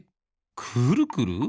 くるくる？